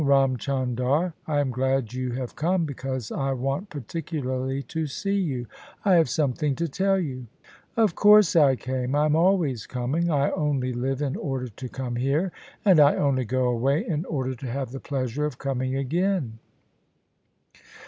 Ram Chandar. I am glad you have come, because I want particularly to see you. I have some thing to tell you." " Of course I came: I am always coming: I only live in order to come here, and I only go away in order to have the pleasure of coming again."